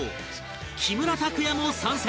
木村拓哉も参戦